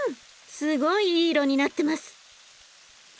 すごいいい色になってます。